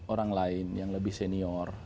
orang lain yang lebih senior